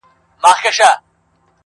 زه کتاب یم د دردونو پښتانه له لوسته ځغلي٫